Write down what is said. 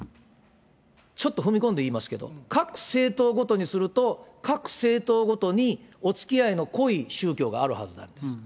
ちょっと踏み込んで言いますけど、各政党ごとにすると、各政党ごとにおつきあいの濃い宗教があるはずなんです。